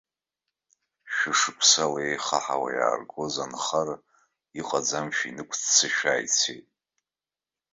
Шәышықәсала инеихаҳауа иааргоз анхара, иҟаӡамызшәа инықәыццышәаа ицеит.